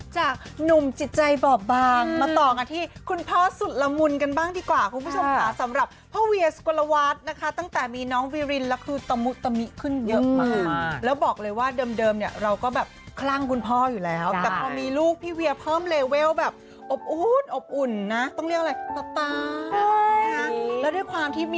จากหนุ่มจิตใจบอบบางมาต่อกันที่คุณพ่อสุดละมุนกันบ้างดีกว่าคุณผู้ชมค่ะสำหรับพ่อเวียสุกลวัฒน์นะคะตั้งแต่มีน้องวิรินแล้วคือตะมุตมิขึ้นเยอะมากแล้วบอกเลยว่าเดิมเนี่ยเราก็แบบคลั่งคุณพ่ออยู่แล้วแต่พอมีลูกพี่เวียเพิ่มเลเวลแบบอบอุ่นอบอุ่นนะต้องเรียกอะไรตานะคะแล้วด้วยความที่มี